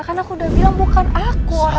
karena aku udah bilang bukan aku orangnya